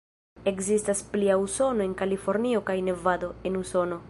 Ekzistas plia Usono en Kalifornio kaj Nevado, en Usono.